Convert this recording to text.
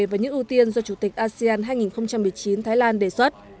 và những ưu tiên do chủ tịch asean hai nghìn một mươi chín thái lan đề xuất